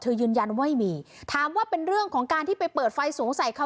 ยืนยันว่าไม่มีถามว่าเป็นเรื่องของการที่ไปเปิดไฟสูงใส่เขา